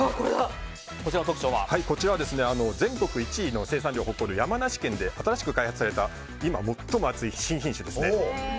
こちらは全国１位の生産量を誇る山梨県で新しく開発された今最も熱い新品種ですね。